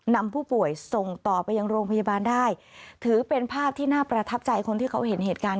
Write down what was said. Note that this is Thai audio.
นำผู้ป่วยส่งต่อไปยังโรงพยาบาลได้ถือเป็นภาพที่น่าประทับใจคนที่เขาเห็นเหตุการณ์